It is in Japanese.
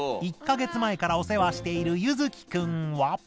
１か月前からお世話している優月くんは。